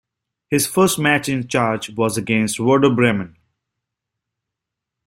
His first match in charge was against Werder Bremen.